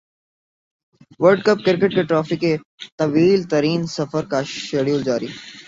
world cup cricket کی trophy کے طویل ترین سفر کا شیڈول جاری